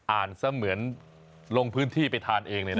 เสมือนลงพื้นที่ไปทานเองเลยนะ